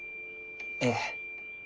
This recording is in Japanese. ええ。